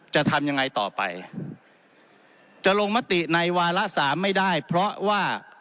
จะทำยังไงต่อไปจะลงมติในวาระสามไม่ได้เพราะว่า